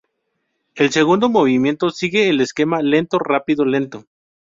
El segundo movimiento sigue el esquema lento-rápido-lento.